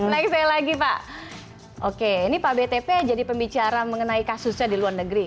next saya lagi pak oke ini pak btp jadi pembicara mengenai kasusnya di luar negeri